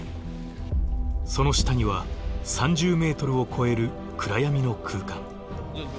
その下には３０ｍを超える暗闇の空間。